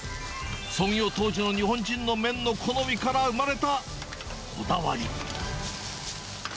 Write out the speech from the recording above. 創業当時の日本人の麺の好みから生まれたこだわり。